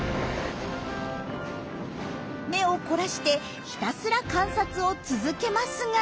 目を凝らしてひたすら観察を続けますが。